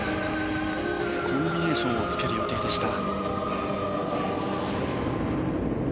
コンビネーションをつける予定でした。